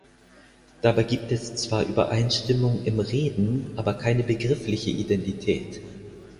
Dabei gibt es zwar Übereinstimmung im Reden, aber keine begriffliche Identität.